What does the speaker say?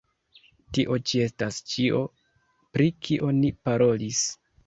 Tio ĉi estas ĉio, pri kio ni parolis.